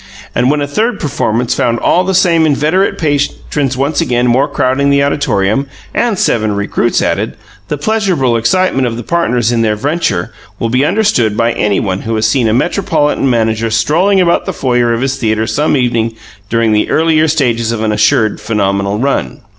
And when a third performance found all of the same inveterate patrons once more crowding the auditorium, and seven recruits added, the pleasurable excitement of the partners in their venture will be understood by any one who has seen a metropolitan manager strolling about the foyer of his theatre some evening during the earlier stages of an assured "phenomenal run."